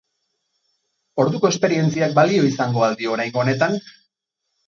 Orduko esperientziak balio izango al dio oraingo honetan?